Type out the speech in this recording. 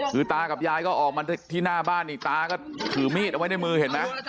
คือตากับยายก็ออกมาที่หน้าบ้านนี่ตาก็ถือมีดเอาไว้ในมือเห็นไหม